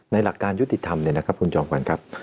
หลักการยุติธรรมเนี่ยนะครับคุณจอมขวัญครับ